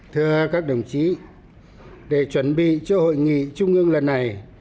thưa các đồng chí để chuẩn bị cho hội nghị trung ương lần này